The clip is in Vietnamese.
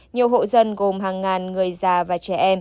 nhiều hộ dân gồm hàng ngàn người già và trẻ em